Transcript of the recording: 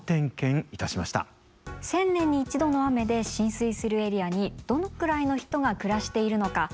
１０００年に１度の雨で浸水するエリアにどのくらいの人が暮らしているのか。